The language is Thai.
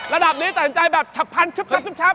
ระดับนี้ตัดสินใจแบบฉับพันชุบชับ